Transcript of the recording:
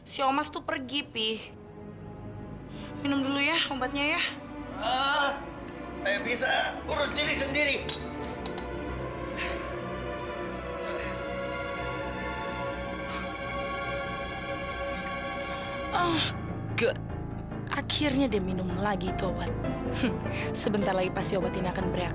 sampai jumpa di video selanjutnya